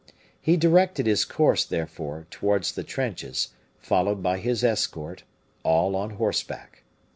He directed his course, therefore, towards the trenches, followed by his escort, all on horseback.